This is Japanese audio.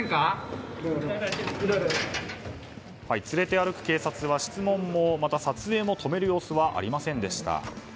連れて歩く警察は質問も、また撮影も止める様子はありませんでした。